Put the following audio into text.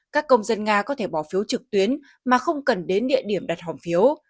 các công dân nga có thể bỏ phiếu trực tuyến mà không cần đến địa điểm đặt hòm phiếu